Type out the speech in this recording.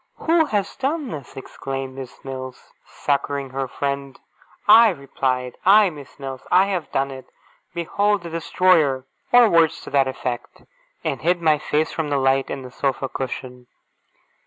'Who has done this?' exclaimed Miss Mills, succouring her friend. I replied, 'I, Miss Mills! I have done it! Behold the destroyer!' or words to that effect and hid my face from the light, in the sofa cushion.